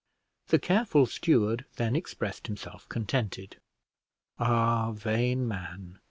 The careful steward then expressed himself contented. Ah! vain man!